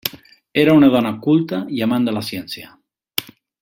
Era una dona culta i amant de la ciència.